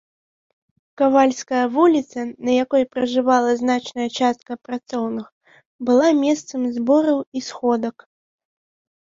Кавальская вуліца, на якой пражывала значная частка працоўных, была месцам збораў і сходак.